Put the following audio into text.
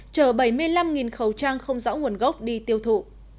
chở bảy mươi năm khẩu trang không rõ nguồn gốc đi tiêu thụ